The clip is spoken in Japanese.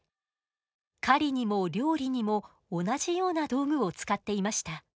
狩りにも料理にも同じような道具を使っていました。